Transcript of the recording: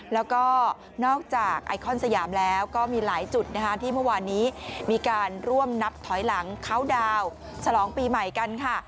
แล้วก็นอกจากไอคอนสยามแล้วก็มีหลายจุดนะคะที่เมื่อวานนี้มีการร่วมนับถอยหลังเข้าดาวน์ฉลองปีใหม่กันค่ะ